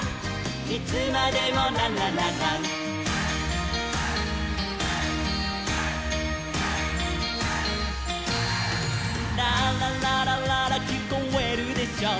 「いつまでもランランランラン」「ララランランララきこえるでしょ」